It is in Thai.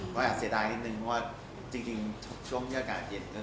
ก็อาจเสียดายนิดนึงเพราะว่าจริงช่วงที่อากาศเย็น